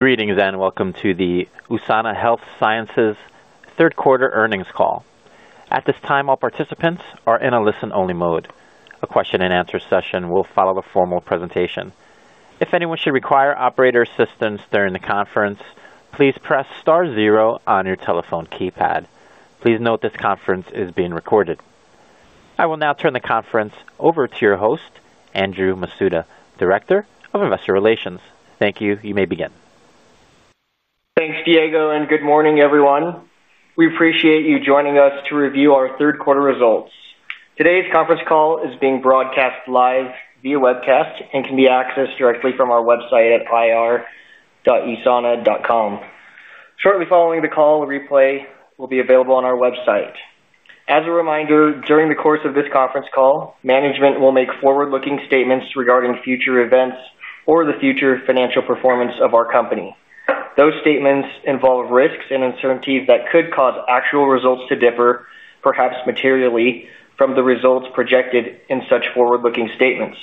Greetings and welcome to the USANA Health Sciences third quarter earnings call. At this time, all participants are in a listen-only mode. A question and answer session will follow the formal presentation. If anyone should require operator assistance during the conference, please press star zero on your telephone keypad. Please note this conference is being recorded. I will now turn the conference over to your host, Andrew Masuda, Director of Investor Relations. Thank you. You may begin. Thanks, Diego, and good morning, everyone. We appreciate you joining us to review our third quarter results. Today's conference call is being broadcast live via webcast and can be accessed directly from our website at ir.usana.com. Shortly following the call, a replay will be available on our website. As a reminder, during the course of this conference call, management will make forward-looking statements regarding future events or the future financial performance of our company. Those statements involve risks and uncertainties that could cause actual results to differ, perhaps materially, from the results projected in such forward-looking statements.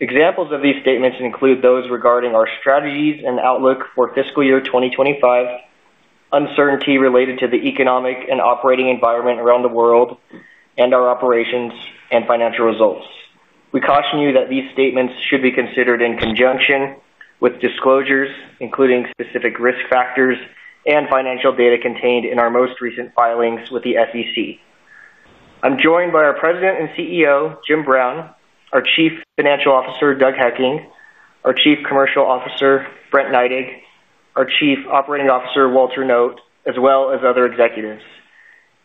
Examples of these statements include those regarding our strategies and outlook for fiscal year 2025, uncertainty related to the economic and operating environment around the world, and our operations and financial results. We caution you that these statements should be considered in conjunction with disclosures, including specific risk factors and financial data contained in our most recent filings with the SEC. I'm joined by our President and CEO, Jim Brown, our Chief Financial Officer, Doug Hekking, our Chief Commercial Officer, Brent Neidig, our Chief Operating Officer, Walter Noot, as well as other executives.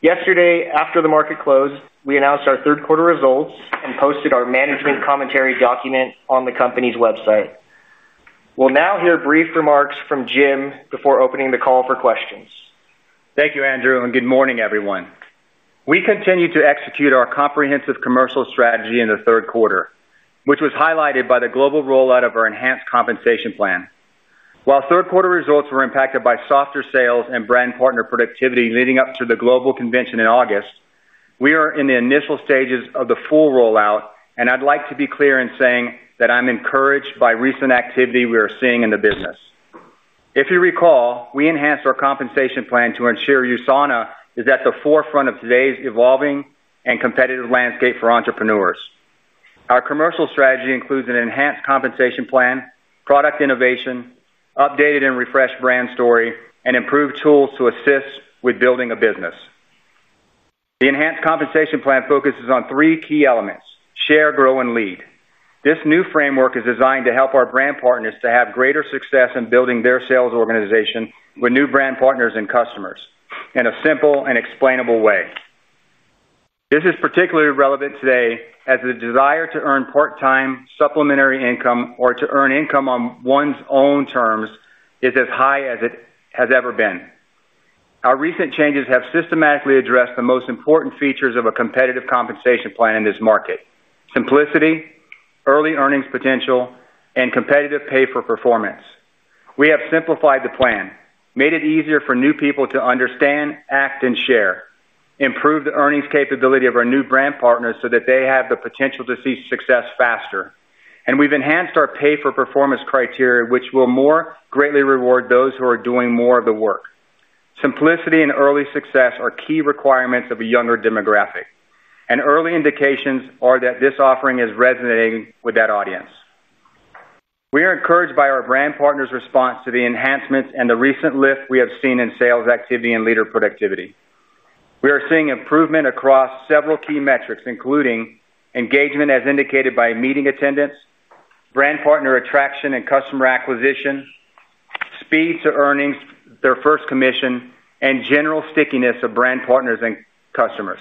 Yesterday, after the market closed, we announced our third quarter results and posted our management commentary document on the company's website. We'll now hear brief remarks from Jim before opening the call for questions. Thank you, Andrew, and good morning, everyone. We continue to execute our comprehensive commercial strategy in the third quarter, which was highlighted by the global rollout of our enhanced compensation plan. While third quarter results were impacted by softer sales and brand partner productivity leading up to the global convention in August, we are in the initial stages of the full rollout, and I'd like to be clear in saying that I'm encouraged by recent activity we are seeing in the business. If you recall, we enhanced our compensation plan to ensure USANA is at the forefront of today's evolving and competitive landscape for entrepreneurs. Our commercial strategy includes an enhanced compensation plan, product innovation, updated and refreshed brand story, and improved tools to assist with building a business. The enhanced compensation plan focuses on three key elements: share, grow, and lead. This new framework is designed to help our brand partners to have greater success in building their sales organization with new brand partners and customers in a simple and explainable way. This is particularly relevant today as the desire to earn part-time supplementary income or to earn income on one's own terms is as high as it has ever been. Our recent changes have systematically addressed the most important features of a competitive compensation plan in this market: simplicity, early earnings potential, and competitive pay-for-performance. We have simplified the plan, made it easier for new people to understand, act, and share, improved the earnings capability of our new brand partners so that they have the potential to see success faster, and we've enhanced our pay-for-performance criteria, which will more greatly reward those who are doing more of the work. Simplicity and early success are key requirements of a younger demographic, and early indications are that this offering is resonating with that audience. We are encouraged by our brand partners' response to the enhancements and the recent lift we have seen in sales activity and leader productivity. We are seeing improvement across several key metrics, including engagement as indicated by meeting attendance, brand partner attraction and customer acquisition, speed to earning their first commission, and general stickiness of brand partners and customers.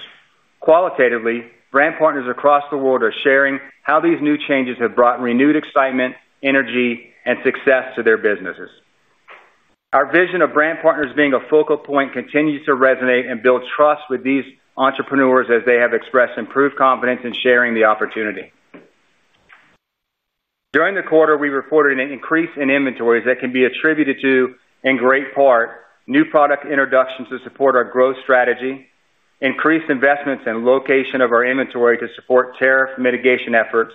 Qualitatively, brand partners across the world are sharing how these new changes have brought renewed excitement, energy, and success to their businesses. Our vision of brand partners being a focal point continues to resonate and build trust with these entrepreneurs as they have expressed improved confidence in sharing the opportunity. During the quarter, we reported an increase in inventories that can be attributed to, in great part, new product introductions to support our growth strategy, increased investments in location of our inventory to support tariff mitigation efforts,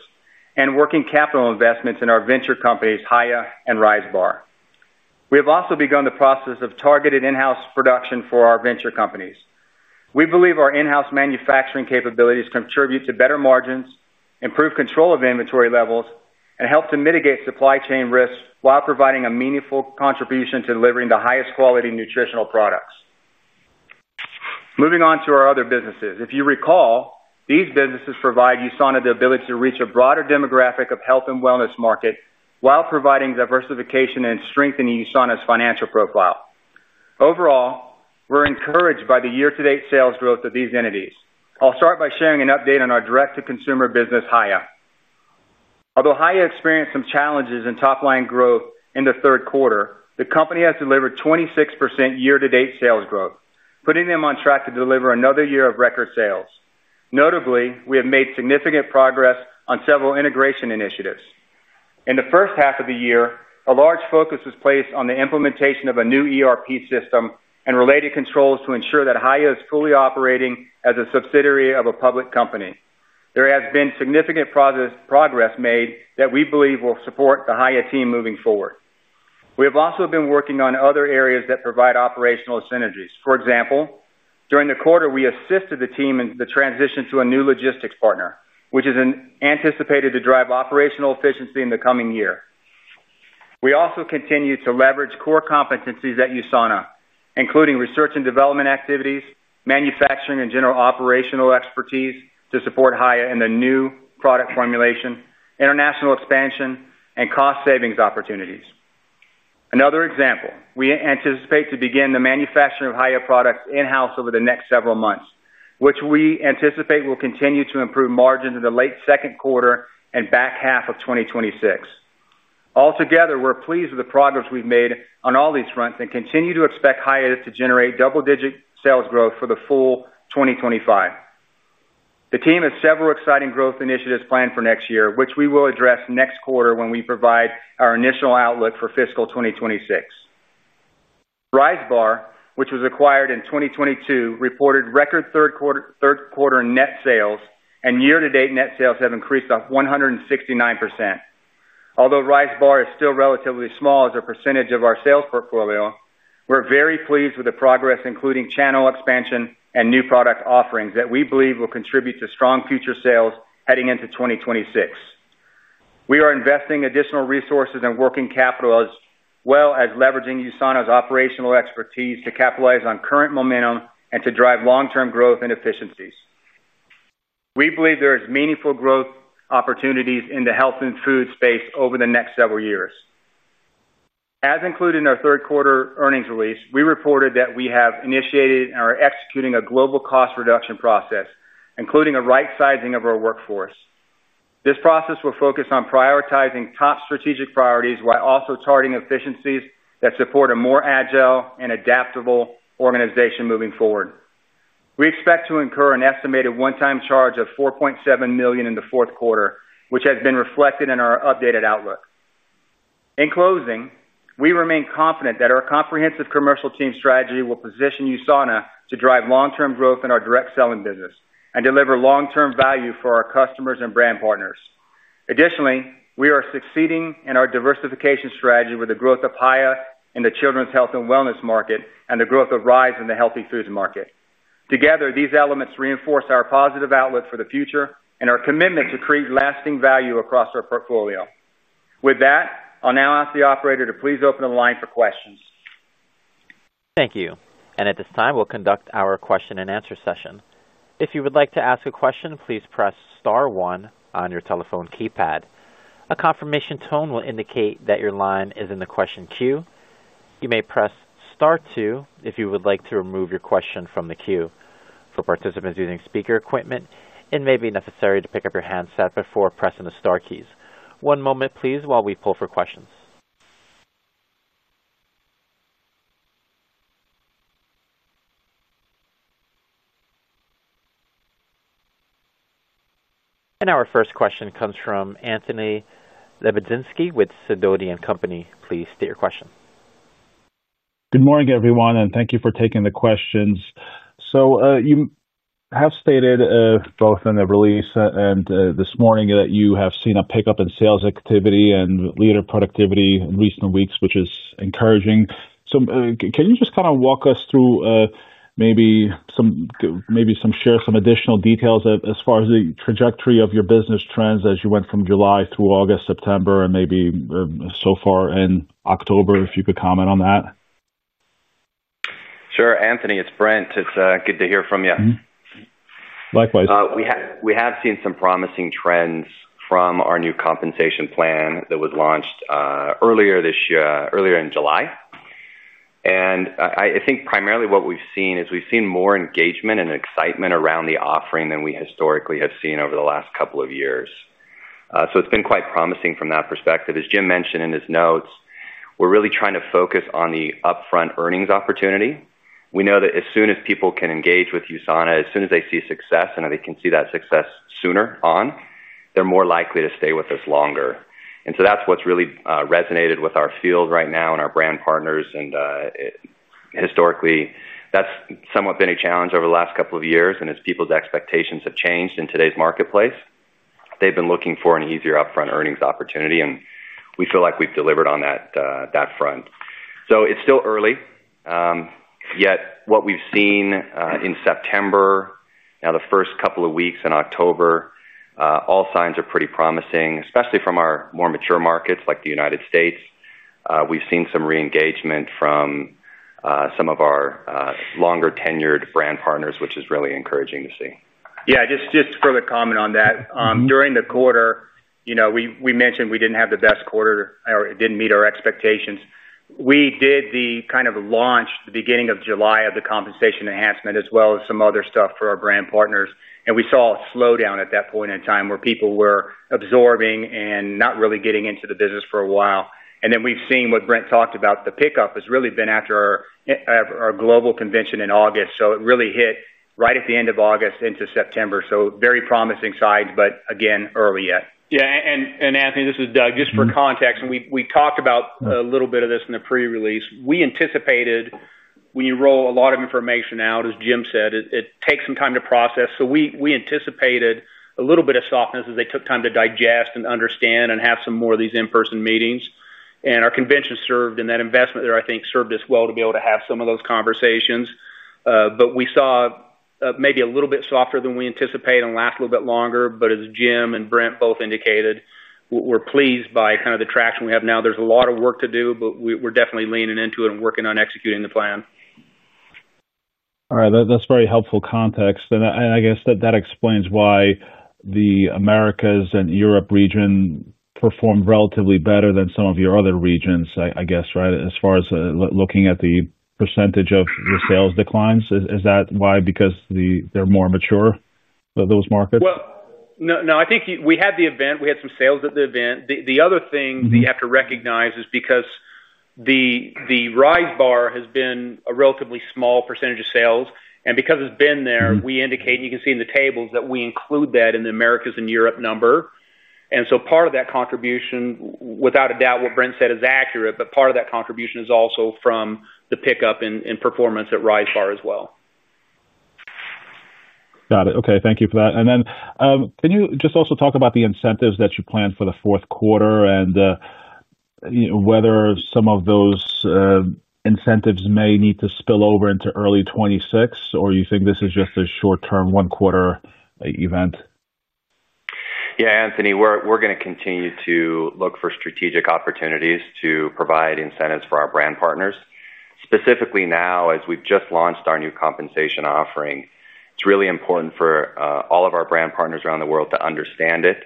and working capital investments in our venture companies, Hiya and Rise Bar. We have also begun the process of targeted in-house production for our venture companies. We believe our in-house manufacturing capabilities contribute to better margins, improved control of inventory levels, and help to mitigate supply chain risks while providing a meaningful contribution to delivering the highest quality nutritional products. Moving on to our other businesses, if you recall, these businesses provide USANA the ability to reach a broader demographic of health and wellness markets while providing diversification and strengthening USANA's financial profile. Overall, we're encouraged by the year-to-date sales growth of these entities. I'll start by sharing an update on our direct-to-consumer business, Hiya. Although Hiya experienced some challenges in top-line growth in the third quarter, the company has delivered 26% year-to-date sales growth, putting them on track to deliver another year of record sales. Notably, we have made significant progress on several integration initiatives. In the first half of the year, a large focus was placed on the implementation of a new ERP system and related controls to ensure that Hiya is fully operating as a subsidiary of a public company. There has been significant progress made that we believe will support the Hiya team moving forward. We have also been working on other areas that provide operational synergies. For example, during the quarter, we assisted the team in the transition to a new logistics partner, which is anticipated to drive operational efficiency in the coming year. We also continue to leverage core competencies at USANA, including research and development activities, manufacturing, and general operational expertise to support Hiya in the new product formulation, international expansion, and cost-savings opportunities. Another example, we anticipate to begin the manufacturing of Hiya Health products in-house over the next several months, which we anticipate will continue to improve margins in the late second quarter and back half of 2026. Altogether, we're pleased with the progress we've made on all these fronts and continue to expect Hiya to generate double-digit sales growth for the full 2025. The team has several exciting growth initiatives planned for next year, which we will address next quarter when we provide our initial outlook for fiscal 2026. Rise Bar, which was acquired in 2022, reported record third quarter net sales, and year-to-date net sales have increased 169%. Although Rise Bar is still relatively small as a percentage of our sales portfolio, we're very pleased with the progress, including channel expansion and new product offerings that we believe will contribute to strong future sales heading into 2026. We are investing additional resources and working capital, as well as leveraging USANA's operational expertise to capitalize on current momentum and to drive long-term growth and efficiencies. We believe there are meaningful growth opportunities in the health and food space over the next several years. As included in our third quarter earnings release, we reported that we have initiated and are executing a global cost reduction process, including a right-sizing of our workforce. This process will focus on prioritizing top strategic priorities while also charting efficiencies that support a more agile and adaptable organization moving forward. We expect to incur an estimated one-time charge of $4.7 million in the fourth quarter, which has been reflected in our updated outlook. In closing, we remain confident that our comprehensive commercial team strategy will position USANA to drive long-term growth in our direct selling business and deliver long-term value for our customers and brand partners. Additionally, we are succeeding in our diversification strategy with the growth of Hiya Health in the children's health and wellness market and the growth of Rise in the healthy foods market. Together, these elements reinforce our positive outlook for the future and our commitment to create lasting value across our portfolio. With that, I'll now ask the operator to please open the line for questions. Thank you. At this time, we'll conduct our question and answer session. If you would like to ask a question, please press star one on your telephone keypad. A confirmation tone will indicate that your line is in the question queue. You may press star two if you would like to remove your question from the queue. For participants using speaker equipment, it may be necessary to pick up your handset before pressing the star keys. One moment, please, while we pull for questions. Our first question comes from Anthony Lebiedzinski with Sidoti & Company. Please state your question. Good morning, everyone, and thank you for taking the questions. You have stated, both in the release and this morning, that you have seen a pickup in sales activity and leader productivity in recent weeks, which is encouraging. Can you just kind of walk us through, maybe share some additional details as far as the trajectory of your business trends as you went from July through August, September, and maybe so far in October, if you could comment on that? Sure, Anthony, it's Brent. It's good to hear from you. Likewise. We have seen some promising trends from our new compensation plan that was launched earlier this year, earlier in July. I think primarily what we've seen is we've seen more engagement and excitement around the offering than we historically have seen over the last couple of years, so it's been quite promising from that perspective. As Jim mentioned in his notes, we're really trying to focus on the upfront earnings opportunity. We know that as soon as people can engage with USANA, as soon as they see success, and they can see that success sooner on, they're more likely to stay with us longer. That's what's really resonated with our field right now and our brand partners. Historically, that's somewhat been a challenge over the last couple of years. As people's expectations have changed in today's marketplace, they've been looking for an easier upfront earnings opportunity, and we feel like we've delivered on that front. It's still early, yet what we've seen in September and now the first couple of weeks in October, all signs are pretty promising, especially from our more mature markets like the United States. We've seen some re-engagement from some of our longer tenured brand partners, which is really encouraging to see. Yeah, just for the comment on that. During the quarter, you know, we mentioned we didn't have the best quarter or it didn't meet our expectations. We did the kind of launch at the beginning of July of the compensation enhancement, as well as some other stuff for our brand partners. We saw a slowdown at that point in time where people were absorbing and not really getting into the business for a while. We've seen what Brent talked about, the pickup has really been after our global convention in August. It really hit right at the end of August into September. Very promising signs, but again, early yet. Yeah, Anthony, this is Doug, just for context. We talked about a little bit of this in the pre-release. We anticipated when you roll a lot of information out, as Jim said, it takes some time to process. We anticipated a little bit of softness as they took time to digest and understand and have some more of these in-person meetings. Our convention served in that investment there, I think, served us well to be able to have some of those conversations. We saw maybe a little bit softer than we anticipated and it lasted a little bit longer. As Jim and Brent both indicated, we're pleased by kind of the traction we have now. There's a lot of work to do, but we're definitely leaning into it and working on executing the plan. All right, that's very helpful context. I guess that explains why the Americas and Europe region performed relatively better than some of your other regions, right? As far as looking at the percentage of your sales declines, is that why? Because they're more mature, those markets? I think we had the event. We had some sales at the event. The other thing that you have to recognize is because Rise Bar has been a relatively small percentage of sales, and because it's been there, we indicate, and you can see in the tables that we include that in the Americas and Europe number. Part of that contribution, without a doubt, what Brent said is accurate, but part of that contribution is also from the pickup in performance at Rise Bar as well. Got it. Okay, thank you for that. Can you just also talk about the incentives that you plan for the fourth quarter and whether some of those incentives may need to spill over into early 2026, or you think this is just a short-term one-quarter event? Yeah, Anthony, we're going to continue to look for strategic opportunities to provide incentives for our brand partners. Specifically now, as we've just launched our new compensation offering, it's really important for all of our brand partners around the world to understand it,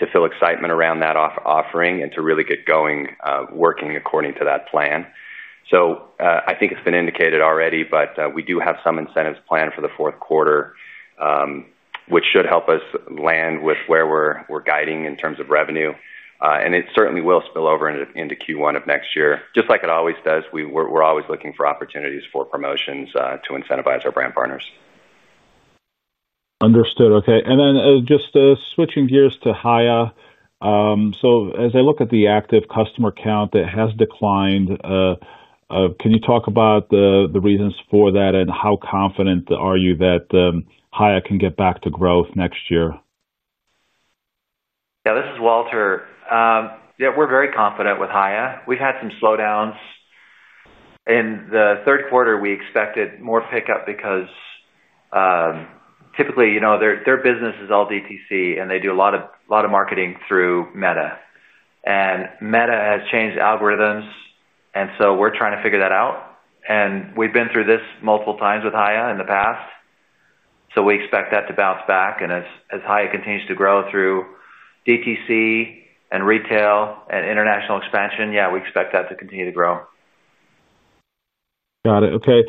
to feel excitement around that offering, and to really get going, working according to that plan. I think it's been indicated already, but we do have some incentives planned for the fourth quarter, which should help us land with where we're guiding in terms of revenue, and it certainly will spill over into Q1 of next year. Just like it always does, we're always looking for opportunities for promotions, to incentivize our brand partners. Understood. Okay. Switching gears to Hiya, as I look at the active customer count, it has declined. Can you talk about the reasons for that and how confident are you that Hiya can get back to growth next year? Yeah, this is Walter. We're very confident with Hiya. We've had some slowdowns. In the third quarter, we expected more pickup because, typically, you know, their business is all DTC, and they do a lot of marketing through Meta. Meta has changed algorithms, and we're trying to figure that out. We've been through this multiple times with Hiya in the past. We expect that to bounce back. As Hiya continues to grow through DTC and retail and international expansion, we expect that to continue to grow. Got it. Okay.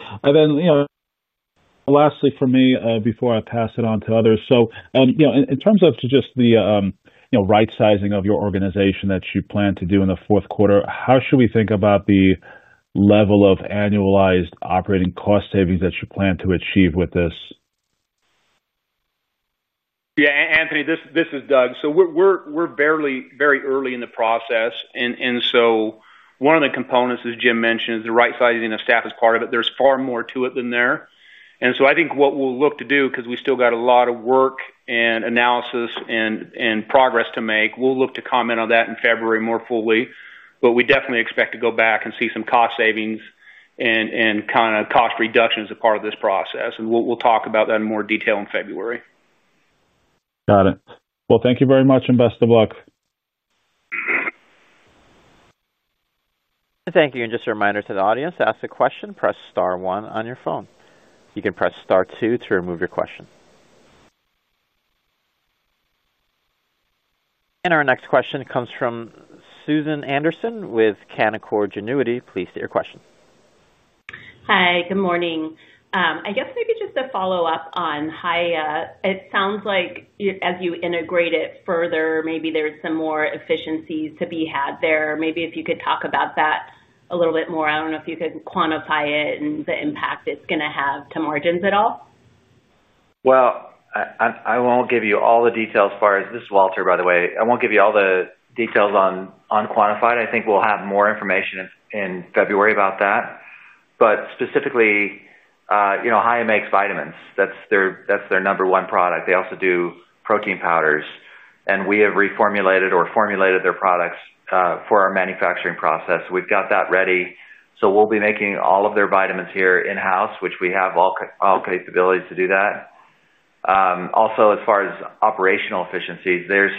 Lastly for me, before I pass it on to others. In terms of just the right-sizing of your organization that you plan to do in the fourth quarter, how should we think about the level of annualized operating cost savings that you plan to achieve with this? Yeah, Anthony, this is Doug. We're very early in the process. One of the components, as Jim mentioned, is the right-sizing of staff as part of it. There's far more to it than that. I think what we'll look to do, because we've still got a lot of work and analysis in progress to make, is comment on that in February more fully. We definitely expect to go back and see some cost savings and kind of cost reduction as a part of this process. We'll talk about that in more detail in February. Thank you very much, and best of luck. Thank you. Just a reminder to the audience, to ask a question, press star one on your phone. You can press star two to remove your question. Our next question comes from Susan Anderson with Canaccord Genuity. Please state your question. Hi, good morning. I guess maybe just a follow-up on Hiya, it sounds like as you integrate it further, maybe there are some more efficiencies to be had there. Maybe if you could talk about that a little bit more. I don't know if you could quantify it and the impact it's going to have to margins at all? I won't give you all the details as far as this is Walter, by the way. I won't give you all the details on quantified. I think we'll have more information in February about that. Specifically, you know, Hiya makes vitamins. That's their number one product. They also do protein powders. We have reformulated or formulated their products for our manufacturing process. We've got that ready. We'll be making all of their vitamins here in-house, which we have all capabilities to do. Also, as far as operational efficiencies, there's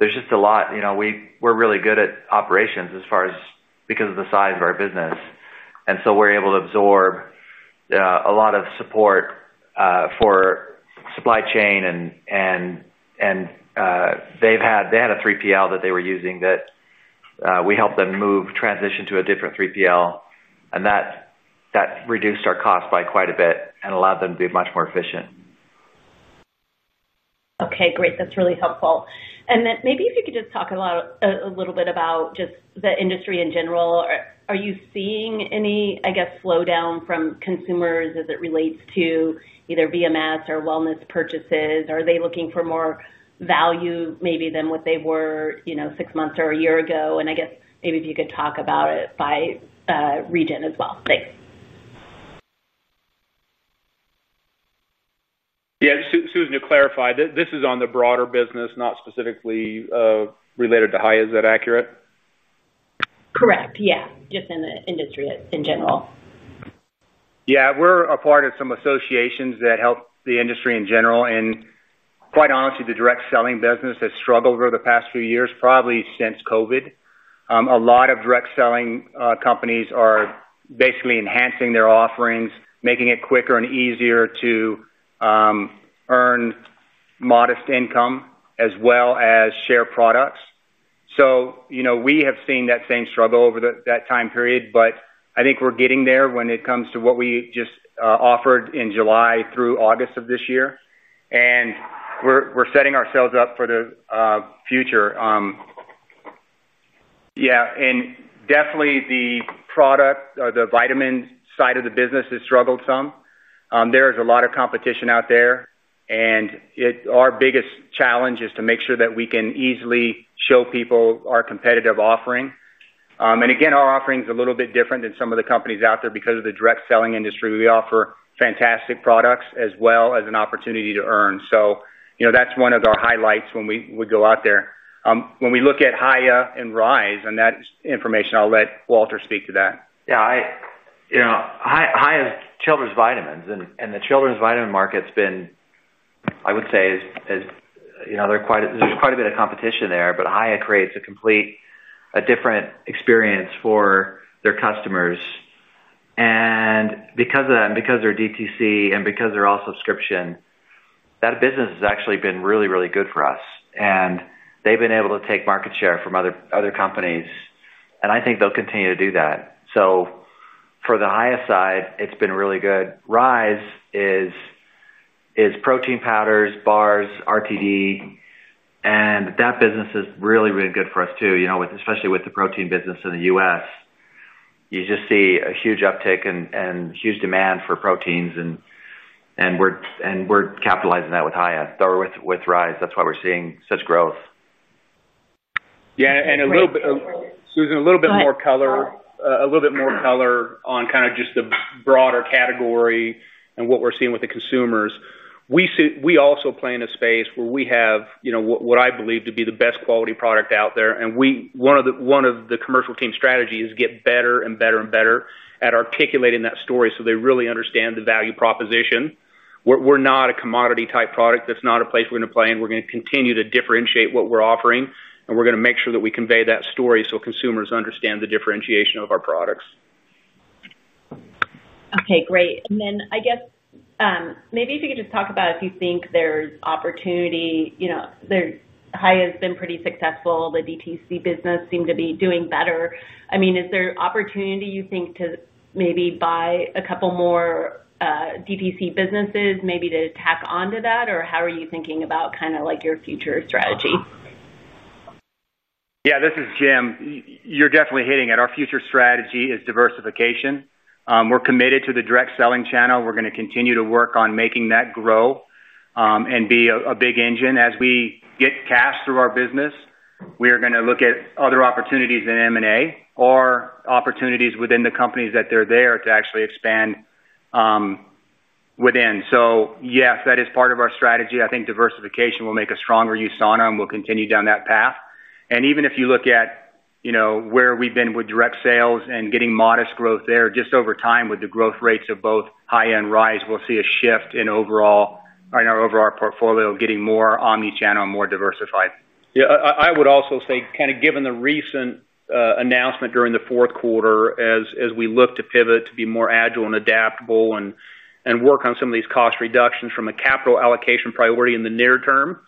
just a lot. We're really good at operations because of the size of our business, and we're able to absorb a lot of support for supply chain. They've had a 3PL that they were using that we helped them transition to a different 3PL. That reduced our cost by quite a bit and allowed them to be much more efficient. Okay, great. That's really helpful. Maybe if you could just talk a little bit about the industry in general. Are you seeing any slowdown from consumers as it relates to either VMS or wellness purchases? Are they looking for more value maybe than what they were, you know, six months or a year ago? I guess maybe if you could talk about it by region as well. Thanks. Yeah, Susan, to clarify, this is on the broader business, not specifically related to Hiya? Is that accurate? Correct, yeah. Just in the industry in general. Yeah, we're a part of some associations that help the industry in general. Quite honestly, the direct selling business has struggled over the past few years, probably since COVID. A lot of direct selling companies are basically enhancing their offerings, making it quicker and easier to earn modest income as well as share products. We have seen that same struggle over that time period, but I think we're getting there when it comes to what we just offered in July through August of this year. We're setting ourselves up for the future. Definitely, the product or the vitamin side of the business has struggled some. There is a lot of competition out there, and our biggest challenge is to make sure that we can easily show people our competitive offering. Again, our offering is a little bit different than some of the companies out there because of the direct selling industry. We offer fantastic products as well as an opportunity to earn. That's one of our highlights when we go out there. When we look at Hiya and Rise, and that information, I'll let Walter speak to that. Yeah, Hiya's children's vitamins, and the children's vitamin market's been, I would say, as, you know, there's quite a bit of competition there, but Hiya creates a completely different experience for their customers. Because of that, and because they're DTC, and because they're all subscription, that business has actually been really, really good for us. They've been able to take market share from other companies. I think they'll continue to do that. For the Hiya side, it's been really good. Riseis protein powders, bars, RTD. That business has really been good for us too, you know, especially with the protein business in the U.S. You just see a huge uptick and huge demand for proteins. We're capitalizing that with Hiya or with Rise. That's why we're seeing such growth. Yeah, Susan, a little bit more color on kind of just the broader category and what we're seeing with the consumers. We also play in a space where we have, you know, what I believe to be the best quality product out there. One of the commercial team's strategies is to get better and better at articulating that story so they really understand the value proposition. We're not a commodity-type product. That's not a place we're going to play in. We're going to continue to differentiate what we're offering. We're going to make sure that we convey that story so consumers understand the differentiation of our products. Okay, great. I guess, maybe if you could just talk about if you think there's opportunity, you know, Hiya's been pretty successful. The DTC business seemed to be doing better. I mean, is there opportunity, you think, to maybe buy a couple more DTC businesses maybe to tack onto that? How are you thinking about kind of like your future strategy? Yeah, this is Jim. You're definitely hitting it. Our future strategy is diversification. We're committed to the direct selling channel. We're going to continue to work on making that grow and be a big engine. As we get cash through our business, we are going to look at other opportunities in M&A or opportunities within the companies that are there to actually expand within. Yes, that is part of our strategy. I think diversification will make us stronger, USANA, and we'll continue down that path. Even if you look at where we've been with direct sales and getting modest growth there, just over time with the growth rates of both Hiya and Rise, we'll see a shift in overall, you know, over our portfolio getting more omnichannel and more diversified. I would also say, given the recent announcement during the fourth quarter, as we look to pivot to be more agile and adaptable and work on some of these cost reductions from a capital allocation priority in the near term,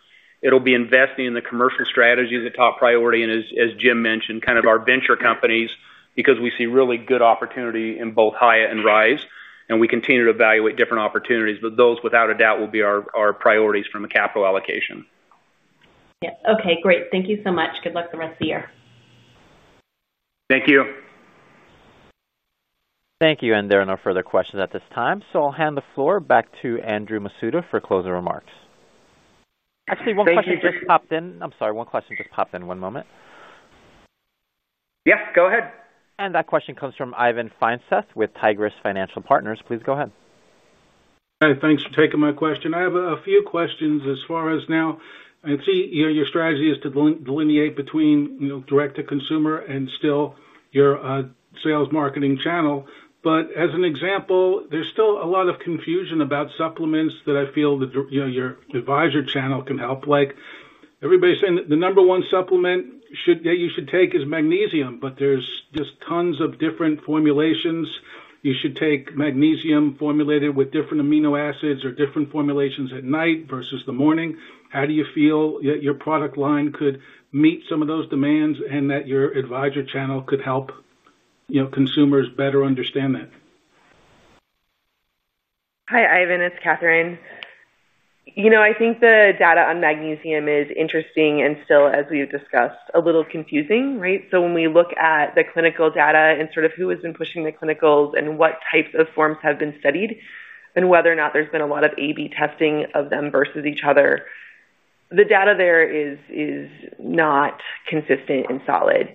it'll be investing in the commercial strategy as a top priority. As Jim mentioned, our venture companies, because we see really good opportunity in both Hiya and Rise, and we continue to evaluate different opportunities. Those, without a doubt, will be our priorities from a capital allocation. Okay, great. Thank you so much. Good luck the rest of the year. Thank you. Thank you. There are no further questions at this time. I'll hand the floor back to Andrew Masuda for closing remarks. Thank you. I'm sorry, one question just popped in. One moment. That question comes from Ivan Feinseth with Tigris Financial Partners. Please go ahead. Hi, thanks for taking my question. I have a few questions as far as now. I see your strategy is to delineate between direct-to-consumer and still your sales marketing channel. For example, there's still a lot of confusion about supplements that I feel your advisor channel can help. Like everybody's saying that the number one supplement that you should take is magnesium, but there's just tons of different formulations. You should take magnesium formulated with different amino acids or different formulations at night versus the morning. How do you feel your product line could meet some of those demands and that your advisor channel could help consumers better understand that? Hi, Ivan. It's Kathryn. I think the data on magnesium is interesting and still, as we've discussed, a little confusing, right? When we look at the clinical data and sort of who has been pushing the clinicals and what types of forms have been studied and whether or not there's been a lot of A/B testing of them versus each other, the data there is not consistent and solid.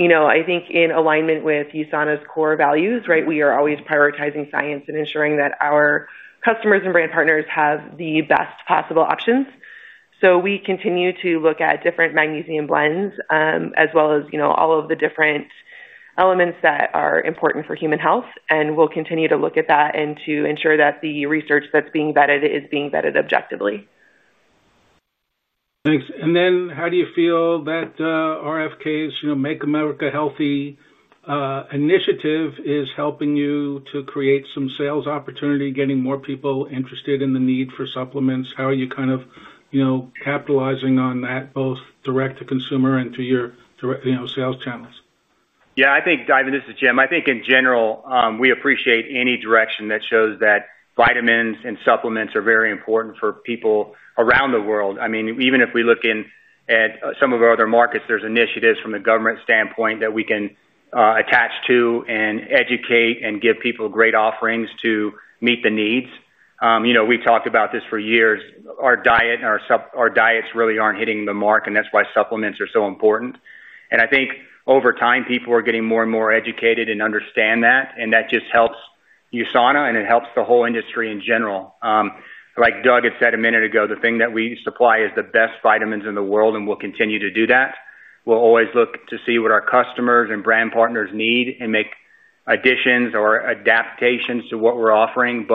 I think in alignment with USANA's core values, we are always prioritizing science and ensuring that our customers and brand partners have the best possible options. We continue to look at different magnesium blends, as well as all of the different elements that are important for human health. We'll continue to look at that and to ensure that the research that's being vetted is being vetted objectively. Thanks. How do you feel that RFK's Make America Healthy initiative is helping you to create some sales opportunity, getting more people interested in the need for supplements? How are you capitalizing on that, both direct-to-consumer and to your direct sales channels? Yeah, I think, Ivan, this is Jim. I think in general, we appreciate any direction that shows that vitamins and supplements are very important for people around the world. Even if we look in at some of our other markets, there are initiatives from a government standpoint that we can attach to and educate and give people great offerings to meet the needs. We talked about this for years. Our diet and our diets really aren't hitting the mark, and that's why supplements are so important. I think over time, people are getting more and more educated and understand that. That just helps USANA, and it helps the whole industry in general. Like Doug had said a minute ago, the thing that we supply is the best vitamins in the world, and we'll continue to do that. We'll always look to see what our customers and brand partners need and make additions or adaptations to what we're offering.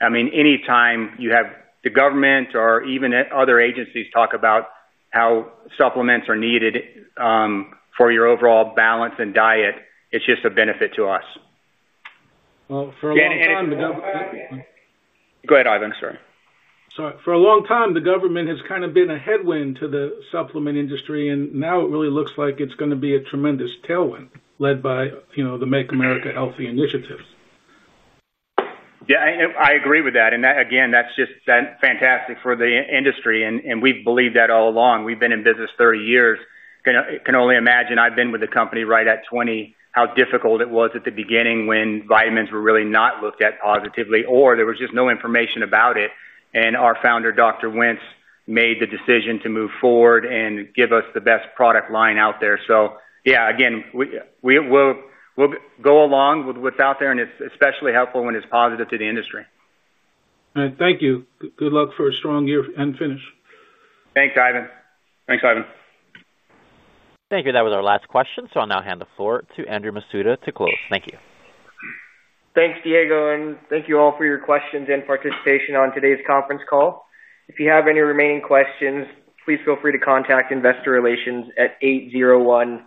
Anytime you have the government or even other agencies talk about how supplements are needed for your overall balance and diet, it's just a benefit to us. For a long time, the government. Go ahead, Ivan. Sorry. For a long time, the government has kind of been a headwind to the supplement industry, and now it really looks like it's going to be a tremendous tailwind led by, you know, the Make America Healthy initiatives. I agree with that. That's just fantastic for the industry. We've believed that all along. We've been in business 30 years. I can only imagine, I've been with the company right at 20, how difficult it was at the beginning when vitamins were really not looked at positively, or there was just no information about it. Our founder, Dr. Wentz, made the decision to move forward and give us the best product line out there. We'll go along with what's out there, and it's especially helpful when it's positive to the industry. All right, thank you. Good luck for a strong year and finish. Thanks, Ivan. Thanks, Ivan. Thank you. That was our last question. I'll now hand the floor to Andrew Masuda to close. Thank you. Thanks, Diego, and thank you all for your questions and participation on today's conference call. If you have any remaining questions, please feel free to contact Investor Relations at 801.